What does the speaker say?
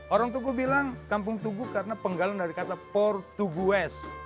orang tugu bilang kampung tugu karena penggalan dari kata portugues